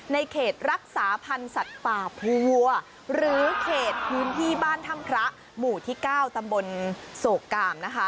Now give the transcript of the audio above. เขตรักษาพันธ์สัตว์ป่าภูวัวหรือเขตพื้นที่บ้านถ้ำพระหมู่ที่๙ตำบลโศกกามนะคะ